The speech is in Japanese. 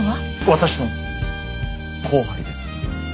私の後輩です。